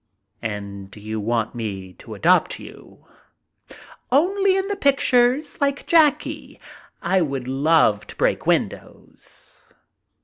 "And you want me to adopt you?" "Only in the pictures, like Jackie. I would love to break windows."